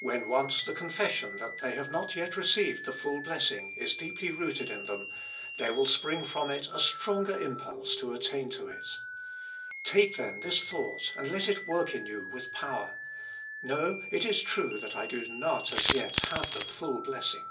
When once the confession that they have not yet received the full blessing is deeply rooted in them, there will spring from it a stronger impulse to attain to it. Take, then, this thought and let it work in you with power: "No: it is true that I do not as yet have the full blessing."